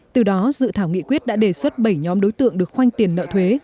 từ đó dự thảo nghị quyết đã đề xuất bảy nhóm đối tượng được khoanh tiền nợ thuế